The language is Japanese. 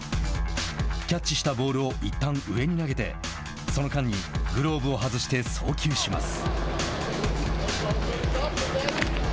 キャッチしたボールをいったん上に投げてその間にグローブを外して送球します。